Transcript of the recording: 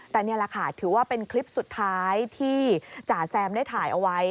แต่นี่แหละค่ะถือว่าเป็นคลิปสุดท้ายที่จ่าแซมได้ถ่ายเอาไว้